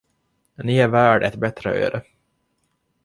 Ni är värd ett bättre öde.